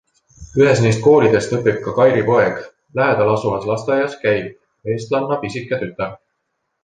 Ühes neist koolidest õpib ka Kairi poeg, lähedal asuvas lasteaias käib eestlanna pisike tütar.